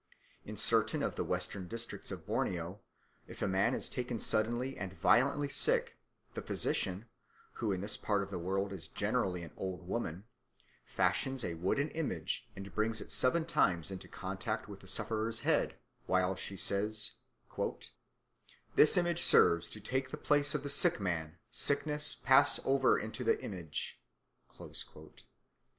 In certain of the western districts of Borneo if a man is taken suddenly and violently sick, the physician, who in this part of the world is generally an old woman, fashions a wooden image and brings it seven times into contact with the sufferer's head, while she says: "This image serves to take the place of the sick man; sickness, pass over into the image."